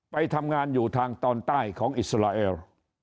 ไปทำงานอยู่ทางตอนใต้ของอิสราเอล